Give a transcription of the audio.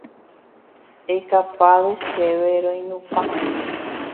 Ekapade chéve roinupã